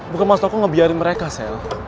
bukan maksud aku ngebiarin mereka sel